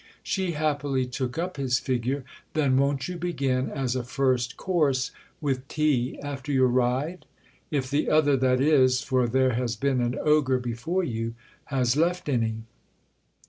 She happily took up his figure. "Then won't you begin—as a first course—with tea after your ride? If the other, that is—for there has been an ogre before you—has left any."